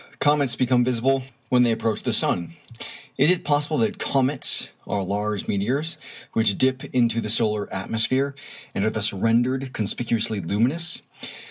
Comets become visible when they approach the sun. Is it possible that comets are large meteors which dip into the solar atmosphere, and are thus rendered conspicuously luminous?